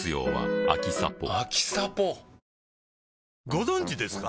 ご存知ですか？